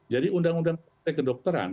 jadi undang undang kedokteran